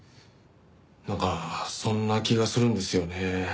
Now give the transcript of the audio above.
なんかそんな気がするんですよね。